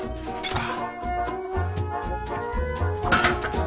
ああ！